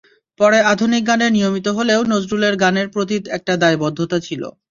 পরে আধুনিক গানে নিয়মিত হলেও নজরুলের গানের প্রতি একটা দায়বদ্ধতা ছিল।